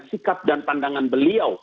sikap dan pandangan beliau